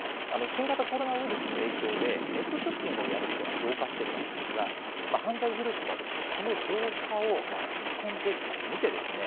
新型コロナウイルスの影響でネットショッピングをやる人が増加しているわけですが犯罪グループは、その増加を見込んで、見てですね